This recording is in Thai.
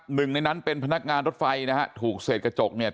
หนึ่งในนั้นเป็นพนักงานรถไฟนะฮะถูกเศษกระจกเนี่ย